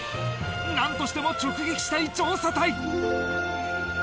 何としても直撃したい調査隊。